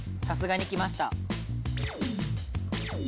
さすがにきました。